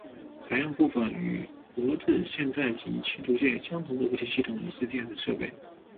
采用部分与俄制现代级驱逐舰相同的武器系统以及电子设备。